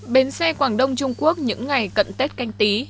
bến xe quảng đông trung quốc những ngày cận tết canh tí